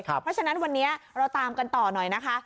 เพราะฉะนั้นวันนี้เราตามกันต่อหน่อยนะคะ